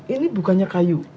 ini bukannya kayu